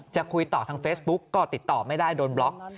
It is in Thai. จะคุยต่อทางเฟซบุ๊กก็ติดต่อไม่ได้โดนบล็อก